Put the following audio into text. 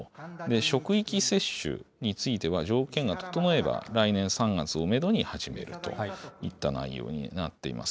職域接種については条件が整えば、来年３月をメドに始めるといった内容になっています。